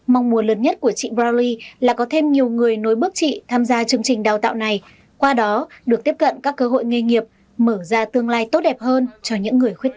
mong muốn lớn nhất của chị browley là có thêm nhiều người nối bước chị tham gia chương trình đào tạo này qua đó được tiếp cận các cơ hội nghề nghiệp mở ra tương lai tốt đẹp hơn cho những người khuyết tật